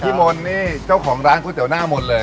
มนต์นี่เจ้าของร้านก๋วยเตี๋ยหน้ามนต์เลย